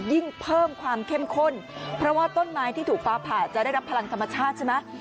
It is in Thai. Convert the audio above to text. ยิ่งเพิ่มความเข้มข้นเพราะว่าต้นไม้ที่ถูกฟ้าผ่าจะได้รับพลังธรรมชาติใช่ไหม